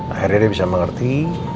akhirnya dia bisa mengerti